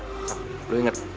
eh bukan kita